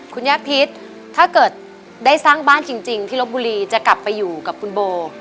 คุณย่าพิษถ้าเกิดได้สร้างบ้านจริงที่ลบบุรีจะกลับไปอยู่กับคุณโบ